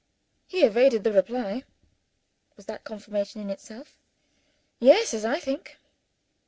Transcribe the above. He evaded the reply. Was that confirmation in itself? Yes as I think!